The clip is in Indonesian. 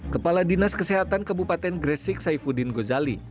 kepala dinas kesehatan kabupaten gresik saifuddin gozali